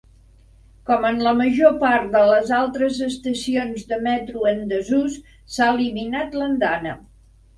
Com en la major part de les altres estacions de metro en desús, s'ha eliminat l'andana.